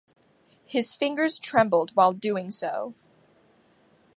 His fingers trembled while doing so.